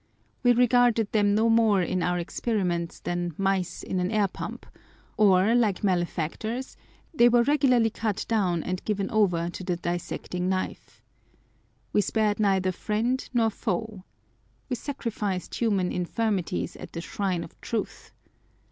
We regarded them no more in our experiments than " mice in an air pump :" or like malefactors, they were regularly cut down and given over to the dissecting knife. We spared neither friend nor foe. We sacrificed human infirmities at the shrine of truth.